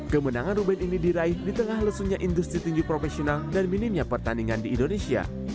kemenangan ruben ini diraih di tengah lesunya industri tinju profesional dan minimnya pertandingan di indonesia